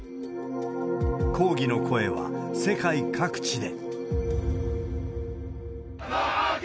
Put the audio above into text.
抗議の声は世界各地で。